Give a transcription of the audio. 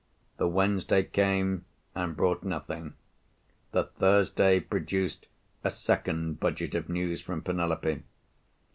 The Wednesday came, and brought nothing. The Thursday produced a second budget of news from Penelope.